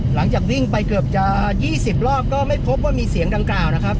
หลังจากวิ่งไปเกือบจะ๒๐รอบก็ไม่พบว่ามีเสียงดังกล่าวนะครับ